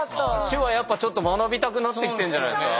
手話やっぱちょっと学びたくなってきてるんじゃないですか？